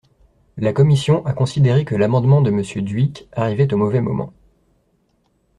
La commission a considéré que l’amendement de Monsieur Dhuicq arrivait au mauvais moment.